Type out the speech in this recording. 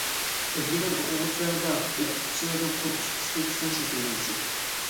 كۆپلىگەن ئوقۇغۇچىلاردا ئوقۇتقۇچىلاردىن قورقۇش پىسخىكىسىنىڭ شەكىللىنىشى.